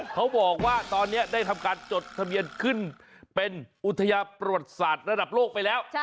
เขาบอกว่าตอนนี้ได้ทำการจดทะเบียนขึ้นเป็นอุทยาประวัติศาสตร์ระดับโลกไปแล้ว